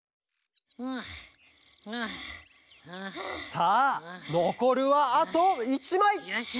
さあのこるはあと１まい！よしよし。